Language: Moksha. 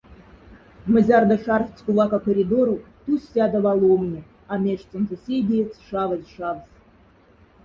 Мзярда шарфтсь кувака коридору, тусь сяда валомне, а мяштьсонза седиец шавозь шавсь.